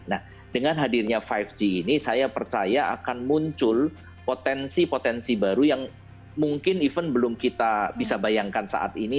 nah dengan hadirnya lima g ini saya percaya akan muncul potensi potensi baru yang mungkin even belum kita bisa bayangkan saat ini